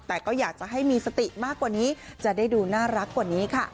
แต่ก็อยากจะให้มีสติมากกว่านี้จะได้ดูน่ารักกว่านี้ค่ะ